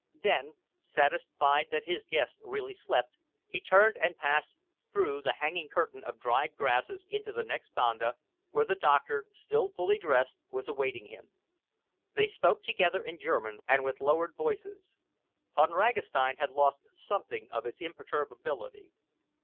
Then, satisfied that his guest really slept, he turned and passed through the hanging curtain of dried grasses into the next banda, where the doctor, still fully dressed, was awaiting him. They spoke together in German and with lowered voices. Von Ragastein had lost something of his imperturbability.